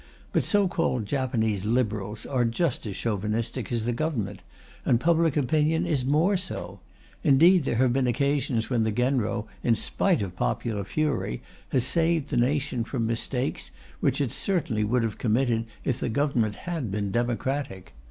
But so called Japanese Liberals are just as Chauvinistic as the Government, and public opinion is more so. Indeed there have been occasions when the Genro, in spite of popular fury, has saved the nation from mistakes which it would certainly have committed if the Government had been democratic.